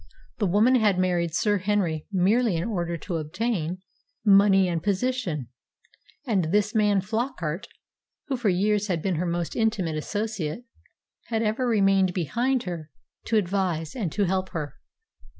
The woman had married Sir Henry merely in order to obtain money and position; and this man Flockart, who for years had been her most intimate associate, had ever remained behind her, to advise and to help her.